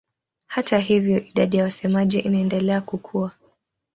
Hata hivyo idadi ya wasemaji inaendelea kukua.